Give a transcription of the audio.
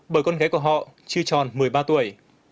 bởi con gái của họ chưa tròn một mươi ba tuổi